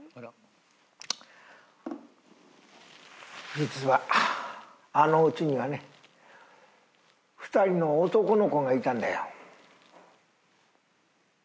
実はあのうちにはね２人の男の子がいたんだよ。